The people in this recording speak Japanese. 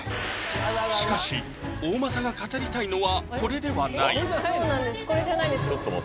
しかし大政が語りたいのはこれではないこれじゃないの？